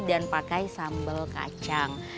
dan pakai sambal kacang